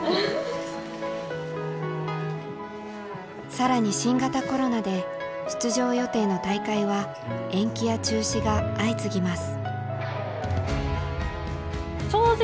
更に新型コロナで出場予定の大会は延期や中止が相次ぎます。